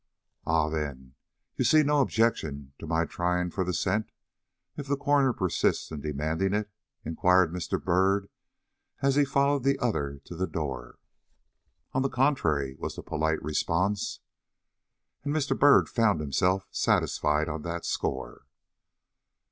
"Ah, then, you see no objection to my trying for the scent, if the coroner persists in demanding it?" inquired Mr. Byrd, as he followed the other to the door. "On the contrary," was the polite response. And Mr. Byrd found himself satisfied on that score.